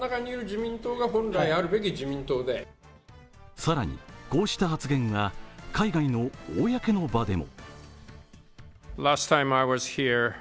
更に、こうした発言は海外の公の場でも。